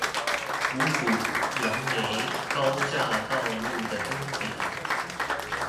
五股楊梅高架道路的終點